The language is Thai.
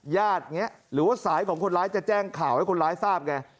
อย่างนี้หรือว่าสายของคนร้ายจะแจ้งข่าวให้คนร้ายทราบไง